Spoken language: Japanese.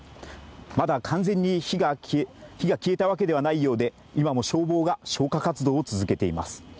また完全に火が消えたわけではないようで今も消防が消火活動を続けています。